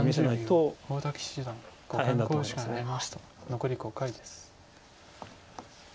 残り５回です。